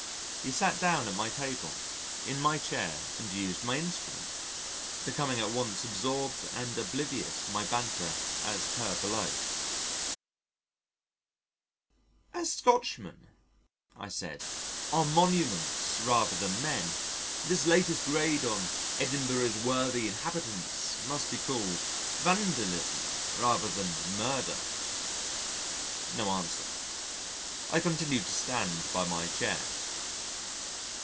He sat down at my table, in my chair, and used my instrument becoming at once absorbed and oblivious to my banter as per below: "As Scotchmen," I said, "are monuments rather than men, this latest raid on Edinboro's worthy inhabitants must be called vandalism rather than murder." No answer. I continued to stand by my chair.